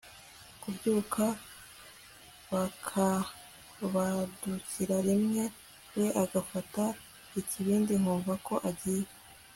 kubyuka, bakabadukira rimwe, we agafata ikibindi nkumva ko agiye